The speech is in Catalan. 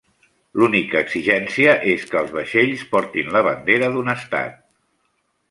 L'única exigència és que els vaixells portin la bandera d'un estat.